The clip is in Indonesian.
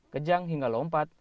kejang hingga lompat